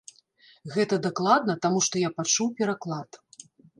Гэта дакладна, таму што я пачуў пераклад.